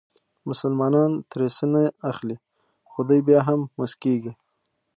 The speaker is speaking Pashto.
مسلمانان ترې څه نه اخلي خو دوی بیا هم موسکېږي.